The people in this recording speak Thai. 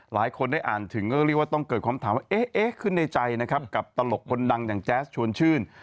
หลายคนได้อ่านถึงก็เรียกว่าต้องเกิดความถามว่าเอ๊ะขึ้นในใจนะครับกับตลกคนดังอย่างแจ๊สชวนชื่น